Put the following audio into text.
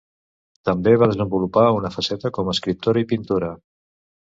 També va desenvolupar una faceta com a escriptora i pintora.